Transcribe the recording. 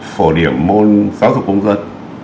phổ điểm môn giáo dục công dân